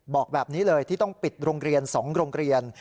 บอกแบบนี้เลยที่ต้องปิดโรงเรียน๒โรงเรียน